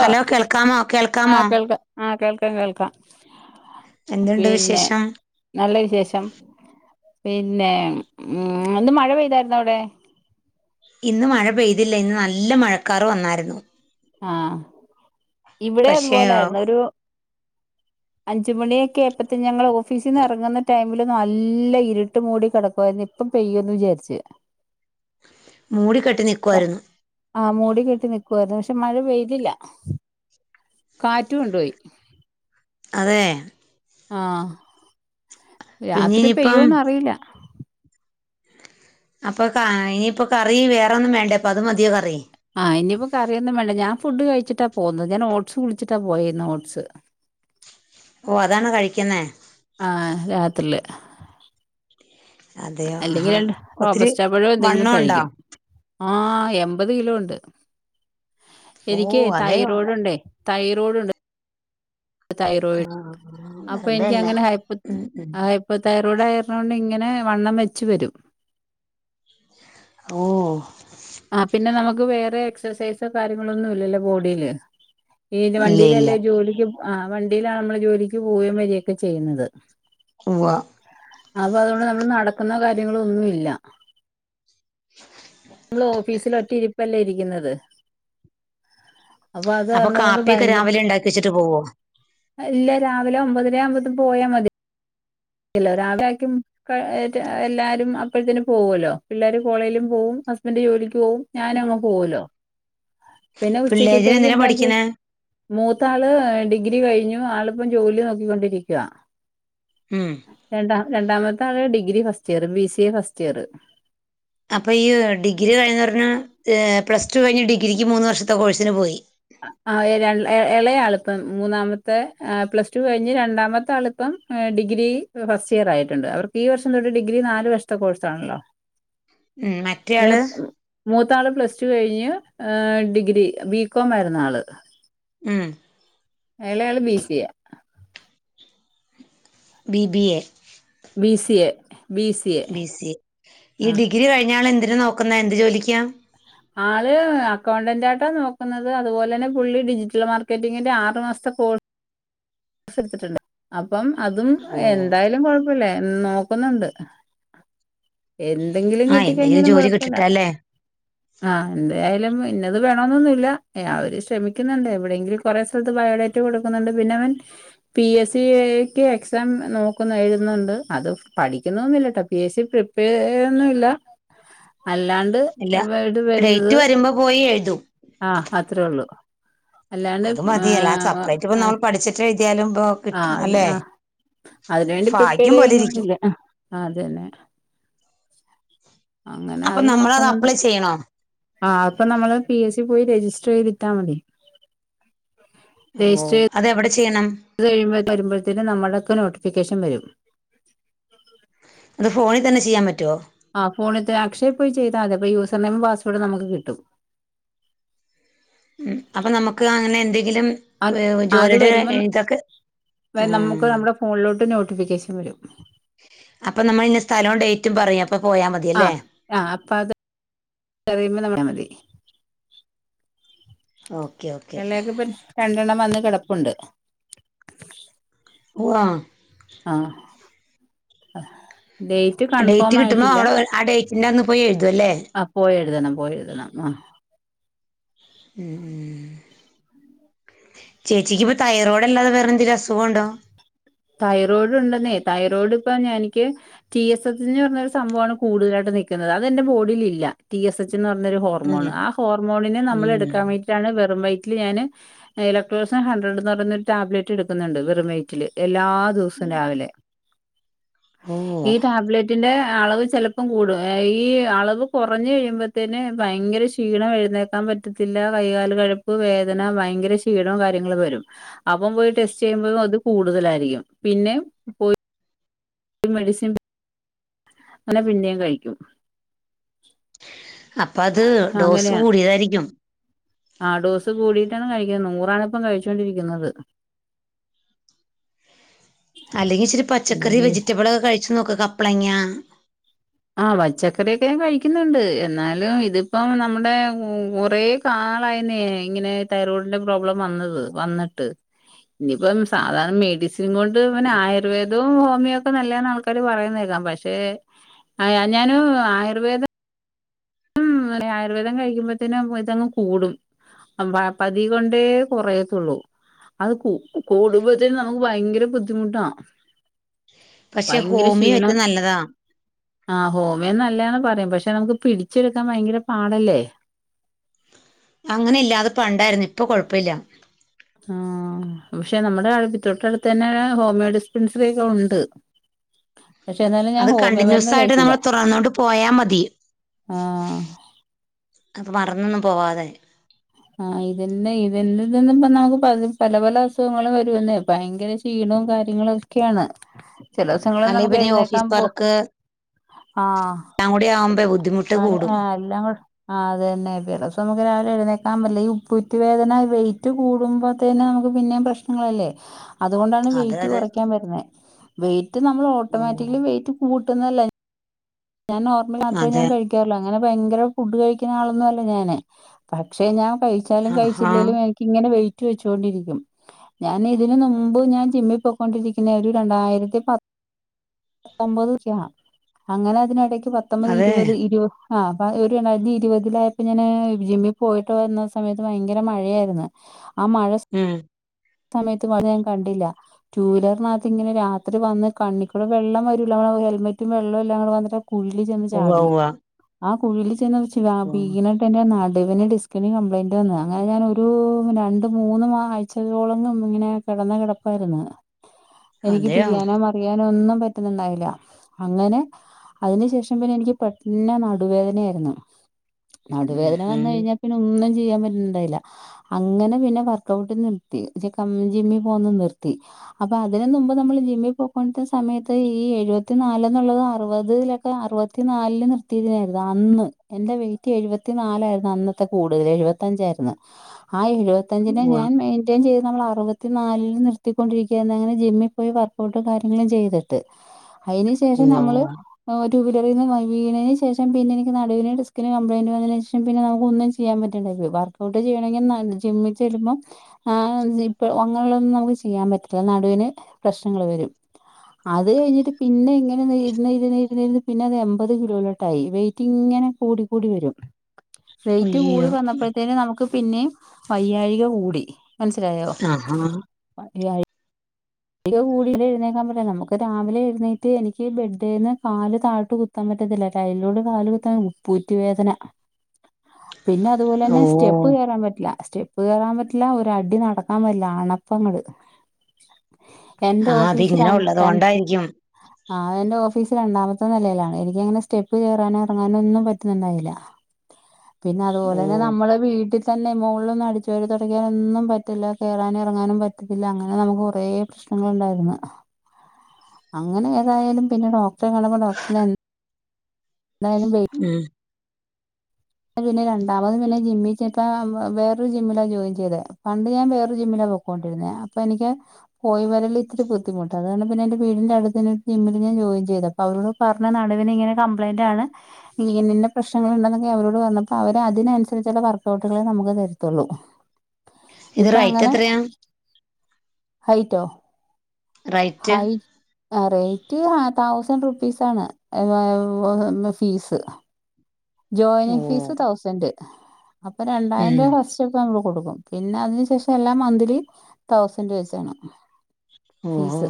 ഓ കേൾക്കാമോ കേൾക്കാമോ ആഹ് കേൾക്കാം ആഹ് കേൾക്കാം കേൾക്കാം എന്തുണ്ട് പിന്നെ വിശേഷം നല്ല വിശേഷം പിന്നെ ഇന്ന് മഴ പെയ്തായിരുന്നോ അവിടെ ഇന്ന് മഴ പെയ്തില്ല ഇന്ന് നല്ല മഴക്കാർ വന്നായിരുന്നു. ആഹ് ഇവിടെ അതു പക്ഷേ പോലൊയിരുന്നു ഒരു അഞ്ചുമണിയൊക്കെ ആയപ്പോത്തിനും ഞങ്ങൾ ഓഫീസിന്ന് ഇറങ്ങുന്ന ടൈം മില് നല്ല ഇരുട്ട് മൂടി കിടക്കുവായിരുന്നു ഇപ്പം പെയ്യോന്ന് വിചാരിച്ചു മൂടി കെട്ടി നിക്കുവായിരുന്നു. ആഹ് മൂടി കെട്ടി നിക്കുവായിരുന്നു പക്ഷെ മഴ പെയ്യ്തില്ല കാറ്റു കൊണ്ടുപോയി. അതെ ആഹ് പിന്നെ രാത്രി ഇനിയിപ്പം പെയ്യോന്ന് അറിയില്ല അപ്പോ കായിനി ഇനിയിപ്പോ കറി വേറൊന്നും വേണ്ട അപ്പോ അത് മതിയോ കറി ആഹ് ഇനിയിപ്പോ കറിയൊന്നും വേണ്ട ഞാൻ ഫുഡ് കഴിച്ചിട്ടാ പോന്നത് ഞാൻ ഓട്സ് കുടിച്ചിട്ടാ പോയിന്നു ഓട്സ് ഓ അതാണോ കഴിക്കുന്നേ ആഹ് രാത്രില് അതെയോ അല്ലെങ്കിൽ ആഹാ രണ്ട് ഒത്തിരി റോബസ്റ്റാ പഴോ എന്തെങ്കിലും വണ്ണം ഉണ്ടോ കഴിക്കും ആഹ് എമ്പത് കിലോ ഉണ്ട് ഓ എനിക്ക് അതെയോ അതെ തൈറോയ്ട്ണ്ടേ തൈറോയിഡ് ഉണ്ട് തൈറോയിഡ് ആ, അപ്പൊ വെറുതെ അല്ല എനിക്കങ്ങനെ ഹൈപ്പോ ഉം, ഉം. ഹൈപ്പോ ഹൈപ്പോ തൈറോയ്ഡ് ആയുന്നതു കൊണ്ട് ഇങ്ങനെ വണ്ണം വെച്ച് വരും ഓഹ് ആ പിന്നെ നമ്മുക്ക് വേറെ എക്സസൈസോ കാര്യങ്ങളോ ഒന്നും ഇല്ലല്ലോ ബോഡിയില് ഇല്ല ഇല്ല വണ്ടിയിലല്ലേ ജോലിക്ക് ആ വണ്ടിയിലാണ് നമ്മള് ജോലിക്ക് പോവുകയും വരികയും ഒക്കെചെയ്യുന്നത് ഉവ്വാ അപ്പൊ അതുകൊണ്ട് നമ്മള് നടക്കുന്ന കാര്യങ്ങളൊന്നും ഇല്ല നമ്മൾ ഓഫിസിൽ ഒറ്റ ഇരിപ്പല്ലേ ഇരിക്കുന്നത് അപ്പൊ അത് കാരണംകൊണ്ട് കാപ്പിയൊക്കെ ഭയങ്കര രാവിലെ ഉണ്ടാക്കി വെച്ചിട്ട് പോവോ ഇല്ല രാവിലെ ഒമ്പതര ആകുമ്പത്തേനും പോയാൽ മതി ഇല്ല രാവിലെ ആയിരിക്കും ഏ എല്ലാരും അപ്പഴത്തേന് പോവുമല്ലോ പിള്ളേരും കോളേജിലും പോവും ഹസ്ബൻഡ് ജോലിക്ക് പോവും ഞാൻ അങ്ങ് പോവല്ലോപിന്നെ പിള്ളേര് ഉച്ചക്കത്തേക്ക് എന്തിനാ ഉണ്ടാക്കി പഠിക്കണേ മൂത്താള് ഡിഗ്രി കഴിഞ്ഞു ആളിപ്പം ജോലി നോക്കിക്കൊണ്ടിരിക്കുവാ ഉം രണ്ടാ രണ്ടാമത്തെ ആൾ degree first year B C A first year അപ്പം ഈ ഡിഗ്രി കഴിഞ്ഞന്ന് പറഞ്ഞാൽ പ്ലസ് ടു കഴിഞ്ഞ് ഡിഗ്രിക്ക് മൂന്ന് വർഷത്തെ കോഴ്സിന് പോയി ആ ഇളയആളിപ്പം മൂന്നാമത്തെ പ്ലസ് ടു കഴിഞ്ഞ് രണ്ടാമത്തെ ആളിപ്പം ഡിഗ്രി ഫസ്റ്റ് ഇയർ ആയിട്ടുണ്ട് അവർക്ക് ഈ വർഷം തൊട്ട് ഡിഗ്രി നാല് വർഷത്തെ കോഴ്സ് ആണല്ലോ ഉം മറ്റേയാള് മൂത്ത മൂത്താള് പ്ലസ് ടു കഴിഞ്ഞ് ഡിഗ്രി ബി കോം ആയിരുന്ന് ആള് ഉം എളയ ആള് B C A B B A B C A B C A B C ആ ഈ ഡിഗ്രി കഴിഞ്ഞ ആള് എന്തിനാ നോക്കുന്നേ എന്ത് ജോലിക്ക? ആള് അക്കൗണ്ടന്റ് ആയിട്ടാ നോക്കുന്നത്. അതുപോലെന്നെ പുള്ളി ഡിജിറ്റൽ മാർക്കറ്റിങ്ങിന്റെ ആറു മാസത്തെ കോ സ് എടുത്തിട്ടുണ്ട് അപ്പം അതും ഓ എ ന്തായാലും കുഴപ്പല്ല നോക്കുന്നുണ്ട്. എ എന്തെങ്കിലും ആ എന്തെങ്കിലും കിട്ടിക്കഴിഞ്ഞാലും ജോലി കൊഴപ്പല്ല. കിട്ടിട്ടല്ലേ ആഹ് എന്തായാലും ഇന്നത് വേണന്നൊന്നുമില്ല അവര് ശ്രമിക്കുന്നുണ്ട് എവിടെയെങ്കിലു കുറെ സ്ഥലത്ത് ബയോഡേറ്റാകൊടുക്കുന്നുണ്ട്. പിന്നെ അവൻ പി എസ് സിക്ക് എക്സാം നോക്കുന്ന എഴതുന്നുണ്ട് അത് പഠിക്കുന്നോന്നുല്ലട്ടോ പി എസ് സി പ്രി പ്പെ ഒന്നുല്ല അല്ലാണ്ട് ഇല്ല ഇവട് ഡേറ്റ് വരുന്നത് വരുമ്പോ പോയി എഴുതും ആഹ് അത്രേ ഉള്ളു. അത് മതി. അല്ലാതെ സപ്രറേറ്റ് ഇപ്പ ആഹ് നമ്മള് പഠിച്ചിട്ട് എഴതിയാലും ഇപ്പോ ആഹ് അത് ആഹ് അതിനുവേണ്ടി പ്രിപ്പയർ ഭാഗ്യം പോലെ ഇരിക്കും ചെയ്യുന്നൊന്നുല്ല ആഹ് അതന്നെ. അങ്ങനെ അപ്പൊ അത് നമ്മളത് നോക്കുന്നുണ്ട്. അപ്ലൈ ചെയ്യണോ ആഹ് അപ്പൊ നമ്മള് പി എസ് സി പോയി രജിസ്റ്റർ ചെയ്തിട്ടാ മതി. ഓഹ് അതെവിടെ ചെയ്യണം? അതു കഴിയുമ്പ വരുമ്പഴത്തേന് നമ്മുടൊക്കെ നോട്ടിഫിക്കേഷൻ വരും. അത് ഫോണിൽ തന്നെ ചെയ്യാൻ പറ്റുവോ? ആഹ് ഫോണി തെ അക്ഷയ പോയി ചെയ്താ മതി അപ്പ യൂസർ നെയിം പാസ് വേഡും നമുക്ക് കിട്ടും. ഉം അപ്പൊ നമുക്ക് അങ്ങനെ എന്തെങ്കിലും അത് എഹ് അത് ജോലിയുടെ വരുമ്പം ഇതൊക്കെ ഉം നമുക്ക് നമ്മുടെ ഫോണിലോട്ട് നോട്ടിഫിക്കേഷൻ വരും. അപ്പൊ നമ്മൾ ഇന്ന സ്ഥലം ഡേറ്റും പറയും അപ്പൊ പോയാ മതിയല്ലേ? ആഹ് ആഹ് അപ്പ അത് അറിയുമ്പോ നമ്മള് മതി ഓക്കെ ഓ ഇളയാൾക്കിപ്പം രണ്ടെണ്ണം വന്ന് കിടപ്പുണ്ട്. ഉവ്വാ ആഹ് ഡേറ്റ് ഡേറ്റ് കൺഫേം കിട്ടുമ്പോ ആയിട്ടില്ല അവിടെ ആ ഡേറ്റിന്റെ അന്ന് പോയി എഴുതു അല്ലേ? ആ പോയെഴുതണം പോയെഴുതണം ആഹ് ഉം ഉം ചേച്ചിക്ക്പ്പം തൈറോയ്ഡ്ല്ലാതെ വേറെന്തെലും അസുഖണ്ടോ തൈറോയ്ഡ്ണ്ടെന്നേ തൈറോയ്ഡ്പ്പൊ ഞനിക്ക് ടി എസ് എച്ച് എന്ന് പറഞ്ഞൊരു സംഭവാണ് കൂടുതലായിട്ട് നിക്കുന്നത് അതെന്റെ ബോഡിലില്ല ടി എസ് എച്ച് എന്ന് പറഞൊരു ഹോർമോണ് ഉം ആ ഹോർമോണിനെ ഉം നമ്മളടുക്കാ വേണ്ടി റ്റാണ് വെറും വൈറ്റില് ഞാന് ഇലക്ട്രോസൻ ഹൺഡ്രഡ്ന്ന് പറന്നൊരു ടാബലറ്റ് എടുക്കുന്നുണ്ട് വെറും വൈറ്റില് എല്ലാ ദിവസും രാവിലെ ഓ ഈ ടാബ്ലറ്റിന്റെ അളവ് ചെല ഒപ്പം കൂടും അഈ അളവ് കുറഞ്ഞ് കഴിയുമ്പോതെന് ഭയങ്കര ക്ഷീണ എഴുന്നേക്കാ പ പറ്റത്തില്ല കൈകാല് കഴപ്പ് വേദന വയങ്കര ക്ഷീണം കാര്യങ്ങളും വരും അപ്പം പോയി ടെസ്റ്റ് ചെയ്യുമ്പളും അത് കൂടുതലായിരിക്കും പിന്നേം പോയി മെഡിസിൻ അങ്ങനെ പിന്നേം കഴിക്കും അപ്പ അത് ഡോസ് കൂടിയതായിരിക്കും ആഹ് ഡോസ് കൂടിട്ടാണ് കഴിക്കുന്നത് നൂറാണ്പ്പം കഴിച്ചോണ്ടിരിക്കുന്നത് [inaudible] അല്ലെങ്കി ഇിച്ചിരി എന്തോ പച്ചക്കറി ചെയ്യ വെജിറ്റബിളൊക്കെ കഴിച്ചു നോക്ക് കപ്പ്ളങ്ങ. ആ പച്ചക്കറിയൊക്കെ ഞാൻ കഴിക്കുന്നുണ്ട് എന്നാലും ഇതിപ്പം നമ്മുടെ കുറെ. നാളായിന്നെ ഇങ്ങനെ തൈറോയ്ഡിന്റെ പ്രോബ്ലം വന്നത് വന്നിട്ട്. ഞിപ്പം സാധാരണ മെഡിസിൻ കൊണ്ട് പിന്നെ ആയുർവേദും ഹോമിയോക്കെ നല്ലത് ന്ന് ആ ആൾക്കാര് പറയുന്നേക്കാം പക്ഷെ. അയാ ഞാനും ആയുർവേദം. ഉം ആയുർവേദം കഴിക്കുമ്പോത്തെനും ഇതങ്ങ് കൂടും. അലോപതി കൊണ്ടേ കൊറയത്തുള്ളൂ. അത് കൂ, കൂടുമ്പത്തെന് നമുക്ക് ഭയങ്കര ബുദ്ധിമുട്ടാ. പക്ഷെ ഭയങ്കര ക്ഷീണം ഹോമിയോറ്റും നല്ലതാ. ആ ഹോമിയോന്നല്ലാണ് പറയും പക്ഷെ നമുക്ക് പിടിച്ചെടുക്കാൻ ഭയങ്കര പാടല്ലേ. അങ്ങനെ ഇല്ലാ അത് പണ്ടായിരുന്നു ഇപ്പൊ കൊഴപ്പല്ല. ആ പക്ഷെ നമ്മുടെ അഴമ്പി തൊട്ട ടുത്തന്നെ ഹോമിയോ ഡിസ്പെൻസറിക്കെ ഉണ്ട്. പക്ഷെ എന്നാലും ഞാൻ അത് ഹോമിയോ കണ്ടിന്യൂസ് മരുന്ന് ആയിട്ട് കഴിച്ചില്ല. നമ്മൾ തുറന്നോണ്ട് പോയാ മതി ആഹ്. അപ്പം മറന്നൊന്നും പോവാതെ. ആ ഇതന്നെ ഇതിന്നിപ്പ നമക്ക് പല, പല, പല അസുഖങ്ങളും വരുന്നേ ഭയങ്കര. ക്ഷീണോം കാര്യങ്ങളൊക്കെയാണ് ചില ദിസങ്ങളിൽ അല്ലെ നമുക്ക് പിന്നെ എഴുന്നേക്കാൻ ഓഫീസ് പോലും. വർക്ക് ആ, എല്ലാം കൂടി ആവുമ്പോ ബുദ്ധിമുട്ട് കൂടും ആ എല്ലാം കൂടെ. ആ അതന്നെ ചെലോസം നമുക്ക് രാവിലെ എഴുന്നേ ക്കാൻ പറ്റില്ല ഈ ഉപ്പൂറ്റി വേദന വെയിറ്റ് കൂടുമ്പത്തേന് നമുക്ക് പിന്നേം പ്രശ്നങ്ങളല്ലേ. അതുകൊണ്ടാണ് അതെ വെയിറ്റ് അതെ കൊറക്കാൻ പറയുന്നേ വെയിറ്റ് നമ്മള് ഉം ഓട്ടോമാറ്റിക്കലി വെയിറ്റ് കൂട്ടുന്നല്ലെ. ഞാൻ നോർമൽ മാത്രേ അതെ ഞാൻ കഴിക്കാറുള്ളൂ അങ്ങനെ ഭയങ്കര ഫുഡ് കഴിക്കുന്ന ആളന്നുല്ലാ ഞാന് പക്ഷെ ഞാൻ. കഴിച്ചാലും ആഹാ കഴിച്ചില്ലേലും എനിക്കിങ്ങനെ വെയിറ്റ് വെച്ചൊണ്ടിരിക്കും. ഞാൻ ഇതിന് മുമ്പ് ഞാൻ ജിമ്മി പോയിക്കൊണ്ടിരിക്കുന്നെ ഒരു രണ്ടായിരത്തി പത്ത്. പത്തൊമ്പത്ക്ക അങ്ങനെ അതിനിടക്ക് പത്തൊമ്പത്, അതെ ഇരുപത്, ഇരുപത്. ആഹ് അപ്പ ഒരു രണ്ടായിരത്തി ഇരുപതിലായപ്പോ ഞാന് ജിമ്മി പോയിട്ട് വരന്ന സമയത്ത് ഭയങ്കര മഴയായിരുന്നു. ആ മഴ. ഉം. സമയത്ത് അ ഞാൻ കണ്ടില്ല ടു വീലറിനകത്ത്ങ്ങനെ രാത്രി വന്ന് കണ്ണി കണ്ണിക്കൂടെ വെള്ളം വരൂല്ല നമ്മ ഹെൽമെറ്റും വെള്ളും എല്ലാം കൂടെ വന്നിട്ട് കുഴിൽ ചെന്ന് ഉവ്വ ചാടി. ഉവ്വ ആ കുഴിൽ ചെന്നച്ച് ഉം വീണി എൻ്റെ നടുവിന് ഡിസ്കിന് കംപ്ലയിന്റ് വന്നു അങ്ങനെ ഞാനൊരു രണ്ട് മൂന്ന് മാ ആയ്ച്ചകളോളംഅങ്ങനെ. കെടന്ന കെടപ്പായിരുന്നു എനിക്ക് അതെയോ തിരിയാനൊ മറി യാനോ ഒന്നും പറ്റുന്നുണ്ടായില്ല അങ്ങനെ. അയിന് ശേഷം പിന്നെ എനിക്ക് പെട്ടന്ന നല്ല നടുവേദനയായിരുന്നു ഉം നടുവേദന ഉം വന്നഴിഞ്ഞാ. പിന്നെ ഒന്നും ചെയ്യാൻ പറ്റണുണ്ടായില്ല. അങ്ങനെ പിന്നെ വർക്ക്ഔട്ട് നിർത്തി ജിമ്മി പോന്ന നിർത്തി. അപ്പൊ അതിന് മുമ്പ് നമ്മള് ജിമ്മി പോ പ്പോണ്ട സമയത്ത് ഈ എഴുപത്തി നാല് എന്നുള്ളത് അറുപതിലൊക്കെ അറുപത്തിനാലില് നിർത്തിയതായിരുന്നു അന്ന്. എൻ്റെ വെയിറ്റ് എഴുപത്തി നാലായിരുന്നു അന്നത്തെ കൂടുതൽ എഴുപത്തിയഞ്ചായിരുന്നു. ആ എഴുപത്തഞ്ചിനെ ഉവ്വ ഞാൻ മെയി ചെയ്തു നമ്മൾ അറുപത്തിനാലില് നിർത്തിക്കൊണ്ടിരിക്കേരുന്നു അങ്ങനെ ജിമ്മി പോയി വർക്ക്ഔട്ടും കാ ര്യങ്ങളും ചെയ്തിട്ട് അയിന് ശേഷം ഉവ്വ നമ്മള്. ഉവ്വ ആഹ് റ്റു വിലറിന്ന് വ വിണെന്ന് ശേഷം പിന്നെ എനിക്ക് നടുവിന് ഡിസ്കിന് കപ്ലയിന്റ് വന്നതിന് ശേഷം പിന്നെ നമുക്ക് ഒന്നും ചെ ചെയ്യാൻ പറ്റ്ണ്ടായി പോയി വർക്ക്ഔട്ട് ചെയ്യണെങ്കി ജിമ്മി ചെല്ലുമ്പം ഹാൻഡ് സിപ്പ് അങ്ങനെയുള്ളൊന്നും നമുക്ക് ചെയ്യാൻ പറ്റില്ല നടുവിന് പ്രശ്നങ്ങള് വരും അത് കഴിഞ്ഞിട്ട് പിന്നെ ഇങ്ങനെ ഇരുന്ന് ഇരുന്ന് ഇരുന്ന് പിന്നെ അത് എമ്പത് കിലോയിലോട്ടായി വെയിറ്റ് ഇങ്ങനെ കൂടി കൂടി വരും വെയിറ്റ് കൂടി അയ്യോ വന്നപ്പോഴത്തേനും നമുക്ക് പിന്നെയും വയ്യാഴിക കൂടി മനസ്സിലായോ? ആഹാ [unintelligible] വെയാഴിക കൂടി എഴുന്നേൽക്കാൻ പറ്റില്ല നമുക്ക് രാവിലെ എഴുന്നേറ്റ് എനിക്ക് ബെഡേന്ന് കാല് താഴോട്ട് കു ത്താൻ പറ്റത്തില്ല ടൈലോട് കാല് കുത്താൻ ഉപ്പുറ്റി വേദന പിന്നെ അതുപോലെ തന്നെ ഓ സ്റ്റെപ്പ് കേറാൻ പറ്റില്ല സ്റ്റെ പ്പ് കേറാൻ പറ്റില്ല ഒരു അടി നടക്കാൻ പറ്റില്ല അണപ്പങ്ങട് എന്റെ ആ ഓഫീസ് രാ അതിങ്ങനെ ഉള്ളത് രാ കൊണ്ടായിരിക്കും ആഹ് എന്റെ ഓഫീസ് രണ്ടാമത്തെ നെലെലാണെ എനിക്ക് അങ്ങനെ സ്റ്റെപ്പ് കേറാനോ എറങ്ങാനോ ഒന്നും പറ്റുന്നുണ്ടായില്ല പിന്നെ അതുപോലെ ഓ തന്നെ നമ്മളെ വീട്ട് തന്നെ മോളിലൊന്നും അടിച്ചു വാരി തൊടക്കാനൊന്നും പറ്റില്ല കേറാനും എറങ്ങാനും പറ്റത്തില്ല അങ്ങനെ നമുക്ക് കൊറേ പ്രശ്നങ്ങളോണ്ടാരുന്നു അങ്ങനെ ഏതായാലും പിന്നെ ഡോക്ടറെ കാണുമ്പോ ഡോക്ടറ് എന്തായാലും വെ ഉം പിന്നെ രണ്ടാമത് പിന്നെ ജിമ്മി ചേ [unintelligible] വേറൊരു ജിമ്മിലാ ജോയിൻ ചെയ്തേ പണ്ട് ഞാൻ വേറെ ജിമ്മിലാ വർ പോക്കോണ്ടിരുന്നേ അപ്പ എനിക്ക് പോയി വരല് ഇത്തിരി ബുദ്ധിമുട്ടാ അത് കാരണം പിന്നെ എന്റെ വീടിന്റെ അടുത്ത് തന്നെ ജിമ്മിൽ ഞാൻ ജോയിൻ ചെയ്ത് അവരോട് പറഞ്ഞ് നടുവിന് ഇങ്ങനെ കമ്പ്ലൈന്റാണ് ഇങ്ങനെന്ന പ്രശ്നങ്ങൾ ഇണ്ടന്നൊക്കെ അവരോ ട് പറഞ്ഞപ്പോ അവര് അതിനനുസരിച്ചുള്ള വർക്ക ഔട്ടുള്ളു നമുക്ക് തരത്തോള്ളൂ ഇത് ഇപ്പ റൈറ്റ് അങ്ങനെ എത്രയാ ഹയിറ്റോ? റൈറ്റ് ഹയ് റേറ്റ് തൗസൻഡറ് റുപ്പീസാണ് ഏഹ് ഫീസ് ഓ ജോയിനിങ് ഫീസ് തൗസൻ്റ് അപ്പൊ രണ്ടായിരം ഉം രൂപ ഫസ്റ്റ് റ്റ്പ്പം നമ്മള് കൊടുക്കും പിന്നെ അതിന് ശേഷം എല്ലാം മന്ത്ലി തൗസൻഡ് വെച്ചാണ് ഓഹോ ഫീസ്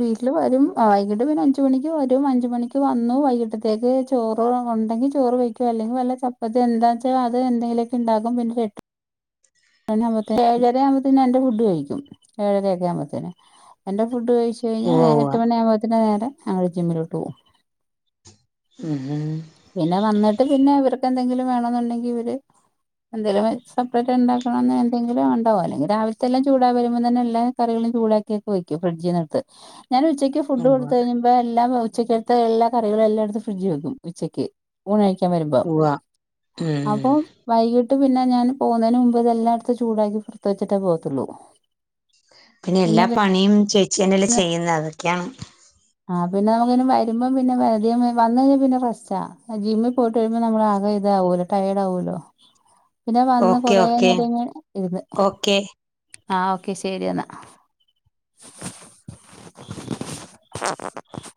വീട്ടില് വരും ആഹ് വൈകിട്ട് പിന്നെ അഞ്ച് മണിക്ക് വരും അഞ്ച് മണിക്ക് വന്നു വൈകി ട്ടത്തേക്ക് ചോറോ ഉണ്ടെങ്കി ചോറ് വയ്ക്കും അല്ലെങ്കി വല്ല ചപ്പത്തി എന്താ വെച്ച അത് എന്തെലൊക്കെ ഒണ്ടാകും പിന്നെ [unintelligible] ഏഴര ആവുമ്പത്തിന് എന്റെ ഫുഡ് കഴിക്കും ഏഴരയൊക്കെ ആവുമ്പോത്തിന് എൻ്റെ ഫുഡ് കഴിച്ച് കഴിഞ്ഞാ ഉവ്വ ഉവ്വ എട്ട് മണിയാവുമ്പോത്തിന് നേരെ ആ വഴി ജിമ്മിലോട്ട് പോവും. ഉം ഉം പിന്നെ വന്നിട്ട് പിന്നെ ഇവർക്ക് എന്തെങ്കിലും വേണെന്നുണ്ടെങ്കില് ഇവര് എന്തേലും സെപ്പറേറ്റ് ഉണ്ടാക്കണം എന്തെങ്കിലും ഉണ്ടാവോ അല്ലെങ്കി രാവിലത്തെ എല്ലാം ചൂടായി വരുമ്പോ തന്നെ എല്ലാം കറികളും ചൂടാക്കി ഒക്കെ വെക്കും ഫ്രിഡ്ജ്ന്ന് എടുത്ത് ഞാൻ ഉച്ചയ്ക്ക് ഫുഡ് ഉവ്വ കൊടുത്ത് കഴിയുമ്പാ എല്ലാം ഉച്ചയ്ക്ക് എടുത്ത് എല്ലാ കറികളും എല്ലാ എടുത്ത് ഫ്രിഡ്ജ് വെക്കും ഉച്ചയ്ക്ക് ഊണ് കഴിക്കാൻ വരുമ്പോ ഉവ്വ ഉം അപ്പോം വൈകിട്ട് പിന്നെ ഞാൻ പോകുന്നെന് മുമ്പ് ഇതെല്ലാ എടുത്ത് ചൂടാക്കി പൊറത്ത് വെച്ചിട്ടെ പോകത്തോള്ളൂ. പിന്നെ എല്ലാ പണിയും ചേച്ചി തന്നല്ലേ ചെയ്യുന്നത് അതൊക്കെയാണ്. ആഹ് പിന്നെ നമുക്ക് പിന്നെ വരുമ്പം പിന്നെ അധികം വന്ന് കഴിഞ്ഞാ പിന്നെ റസ്റ്റാ ജിമ്മി പോയിട്ട് വരുമ്പോ നമ്മളകെ ഇതാവല്ലോ ടയേഡ് ആകുലോ പിന്നെ വന്ന് ഓക്കെ കൊറേ ഓക്കെ നേരം ഇങ്ങനെ ഇര്ന്ന് ഓക്കെ ആഹ് ഓക്കെ ശെരി എന്നാ. [inaudible]